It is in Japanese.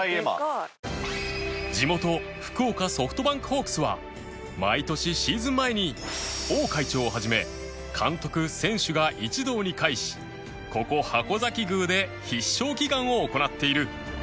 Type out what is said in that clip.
地元福岡ソフトバンクホークスは毎年シーズン前に王会長を始め監督選手が一堂に会しここ筥崎宮で必勝祈願を行っている